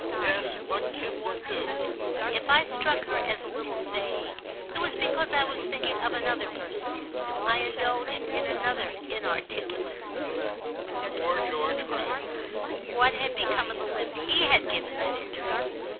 "Yes, what can one do?" If I struck her as a little vague it was because I was thinking of another person. I indulged in another inarticulate murmur—"Poor George Gravener!" What had become of the lift he had given that interest?